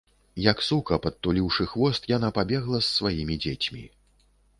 Як сука, падтуліўшы хвост, яна пабегла з сваімі дзецьмі.